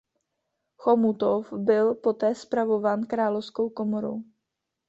Chomutov byl poté spravován královskou komorou.